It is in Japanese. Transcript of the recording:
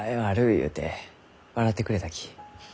ゆうて笑ってくれたき。